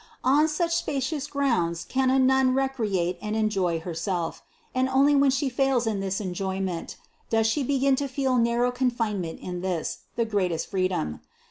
On such spacious grounds can a nun, recreate and enjoy herself; and only when she fails in this enjoyment, does she be gin to feel narrow confinement in this, the greatest free dom.